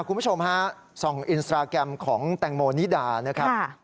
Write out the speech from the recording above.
คุณผู้ชมฮะส่องอินสตราแกรมของแตงโมนิดานะครับ